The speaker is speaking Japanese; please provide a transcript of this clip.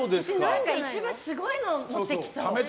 一番すごいの持ってきそう。